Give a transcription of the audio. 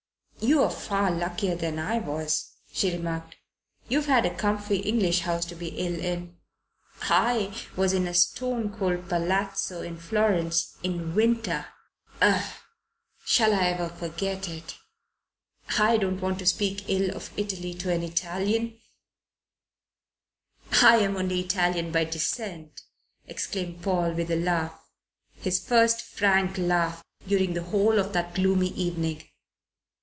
"You're far luckier than I was," she remarked. "You've had a comfy English house to be ill in. I was in a stone cold palazzo in Florence in winter. Ugh! Shall I ever forget it? I don't want to speak evil of Italy to an Italian " "I'm only Italian by descent," exclaimed Paul, with a laugh, his first frank laugh during the whole of that gloomy evening.